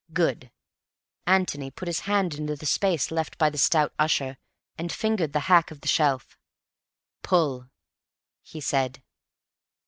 "Good." Antony put his hand into the space left by the stout Ussher, and fingered the back of the shelf. "Pull," he said.